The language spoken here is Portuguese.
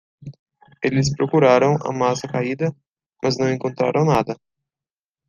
Eles procuraram a massa caída? mas não encontraram nada.